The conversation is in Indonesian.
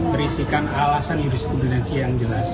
berisikan alasan jurisprudensi yang jelas